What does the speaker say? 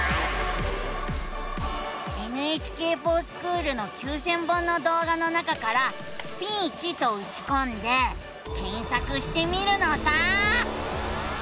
「ＮＨＫｆｏｒＳｃｈｏｏｌ」の９，０００本の動画の中から「スピーチ」とうちこんで検索してみるのさ！